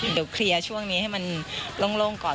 เดี๋ยวเคลียร์ช่วงนี้ให้มันโล่งก่อน